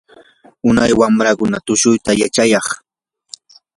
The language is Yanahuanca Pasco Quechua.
unay wamrakuna tushuyta yachayaq.